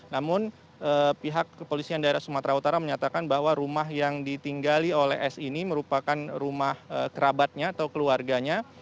namun pihak kepolisian daerah sumatera utara menyatakan bahwa rumah yang ditinggali oleh s ini merupakan rumah kerabatnya atau keluarganya